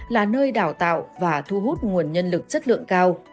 là nơi đào tạo và thu hút nguồn nhân lực chất lượng cao